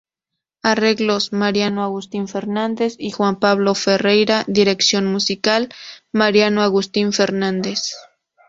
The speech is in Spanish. Arreglos: Mariano Agustín Fernández y Juan Pablo Ferreyra Dirección musical: Mariano Agustín Fernández